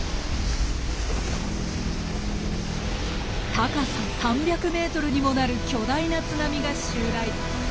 高さ３００ｍにもなる巨大な津波が襲来。